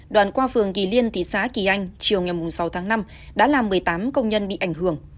đoạn qua phường kỳ liên thị xã kỳ anh chiều ngày sáu tháng năm đã làm một mươi tám công nhân bị ảnh hưởng